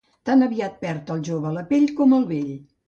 Tan aviat perd el jove la pell com el vell.